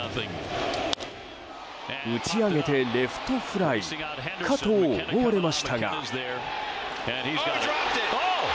打ち上げてレフトフライかと思われましたが。